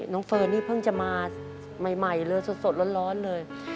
เฟิร์นนี่เพิ่งจะมาใหม่เลยสดร้อนเลย